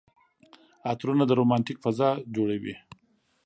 عطرونه د رومانتيک فضا جوړوي.